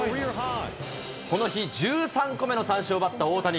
この日、１３個目の三振を奪った大谷。